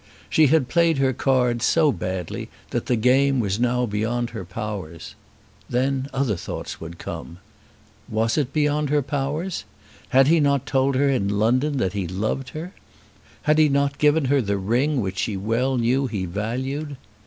She had played her cards so badly that the game was now beyond her powers. Then other thoughts would come. Was it beyond her powers? Had he not told her in London that he loved her? Had he not given her the ring which she well knew he valued?